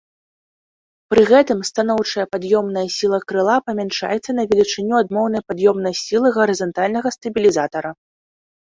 Пры гэтым станоўчая пад'ёмная сіла крыла памяншаецца на велічыню адмоўнай пад'ёмнай сілы гарызантальнага стабілізатара.